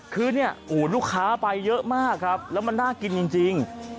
คือเนี่ยลูกค้าไปเยอะมากครับแล้วมันน่ากินจริง